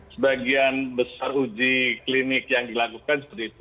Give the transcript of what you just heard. sebagian besar uji klinik yang dilakukan seperti itu